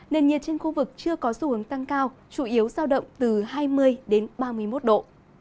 nền nhiệt trên khu vực chưa có xu hướng tăng cao chủ yếu sao động từ hai mươi đến ba mươi một độ